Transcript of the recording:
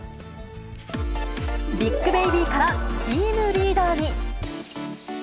ビッグベイビーからチームリーダーに。